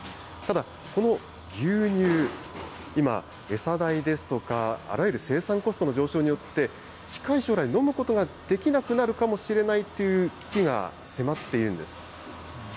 ただこの牛乳、今、餌代ですとか、あらゆる生産コストの上昇によって、近い将来、飲むことができなくなるかもしれないという危機が迫っているんです。